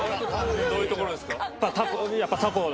どういうところですか？